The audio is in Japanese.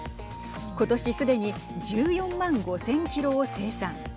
今年、すでに１４万５０００キロを生産。